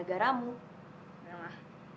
dengarkan mama ya